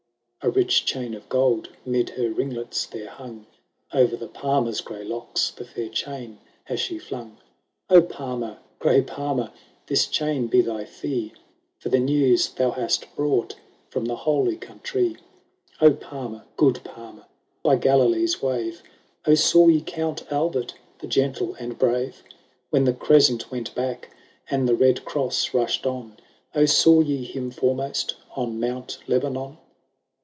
"— A rich chain of gold 'mid her ringlets there hung; O'er the palmer's grey locks the fair chain has she flung :" O palmer, grey palmer, this chain be thy fee, For the news thou hast brought from the Holy Countrie. " O palmer, good palmer, by Galilee's wave, O saw ye Count Albert, the gentle and brave ? When the Crescent went back, and the Red cross rushed on, O saw ye him foremost on Mount Lebanon